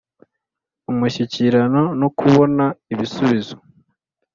Umushyikirano no kubona ibisubizo